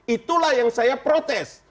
itulah yang saya protes